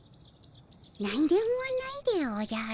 何でもないでおじゃる。